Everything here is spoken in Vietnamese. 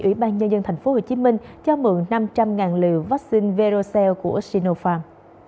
ủy ban nhân dân tp hcm cho mượn năm trăm linh liều vaccine verocell của sinopharm